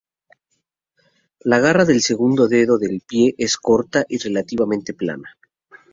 La garra del segundo dedo del pie es corta y relativamente plana.